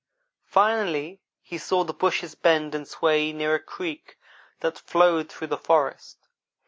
Finally he saw the bushes bend and sway near a creek that flowed through the forest.